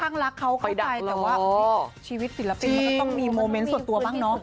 รักเขาเข้าใจแต่ว่าชีวิตศิลปินมันก็ต้องมีโมเมนต์ส่วนตัวบ้างเนาะ